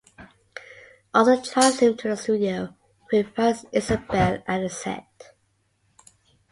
Arthur drives him to the studio where he finds Isabel at the set.